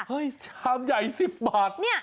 ชามใหญ่๑๐บาท